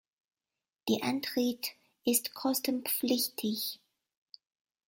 Der Eintritt ist kostenpflichtig.